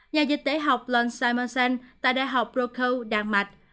nhà dịch tế học lund simonsen tại đại học brokaw đan mạch